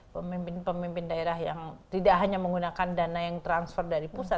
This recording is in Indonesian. pemimpin pemimpin daerah yang tidak hanya menggunakan dana yang transfer dari pusat